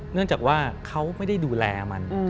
เนื่องจากว่าเขาไม่ได้ดูแลมัน